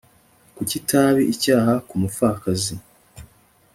ko kitaba icyaha ku mupfakazi